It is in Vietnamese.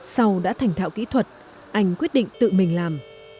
sau đã thành thạo kỹ thuật anh quyết định tự mình làm